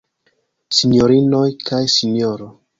Sinjorinoj kaj Sinjoro.